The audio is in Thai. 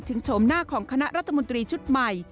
โฉมหน้าของคณะรัฐมนตรีชุดใหม่